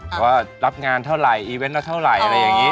ว่ารับงานเท่าไหร่อีเวนต์ละเท่าไหร่อะไรอย่างนี้